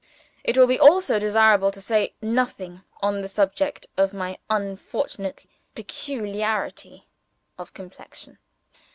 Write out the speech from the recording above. It will be also desirable to say nothing on the subject of my unfortunate peculiarity of complexion.